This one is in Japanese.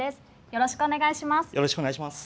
よろしくお願いします。